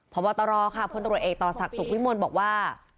พบตรค่ะพลตรวจเอกต่อศักดิ์สุขวิมลบอกว่า